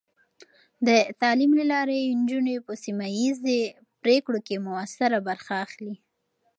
د تعلیم له لارې، نجونې په سیمه ایزې پرېکړو کې مؤثره برخه اخلي.